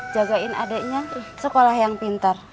jagain adiknya sekolah yang pintar